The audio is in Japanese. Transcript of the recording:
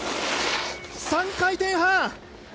３回転半。